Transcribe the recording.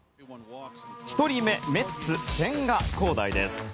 １人目、メッツ千賀滉大です。